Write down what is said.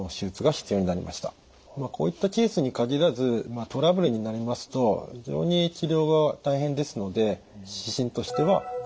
こういったケースに限らずトラブルになりますと非常に治療が大変ですので指針としては△。